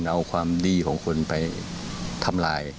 เอาความดีของคนไปทำลาย